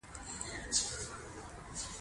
د بولان پټي د افغانستان د ښاري پراختیا سبب کېږي.